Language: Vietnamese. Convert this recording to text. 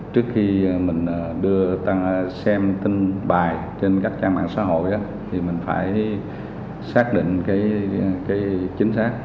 trước khi mình xem tin bài trên các trang mạng xã hội mình phải xác định chính xác